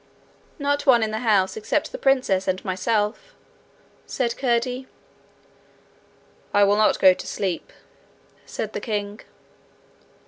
'Not one in the house, except the princess and myself,' said Curdie. 'I will not go to sleep,' said the king.